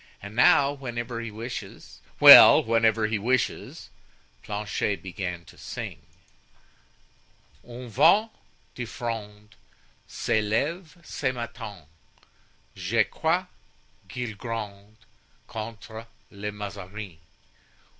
And now, whenever he wishes——" "Well, whenever he wishes?" Planchet began to sing: "Un vent de fronde S'est leve ce matin; Je crois qu'il gronde Contre le Mazarin.